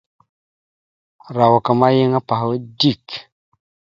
Arawak ma yan apahwa dik.